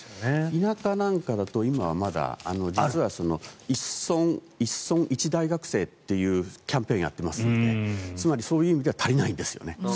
田舎なんかだと今、１村１大学生というキャンペーンをやってますのでつまり、そういう意味では足りないんですよね。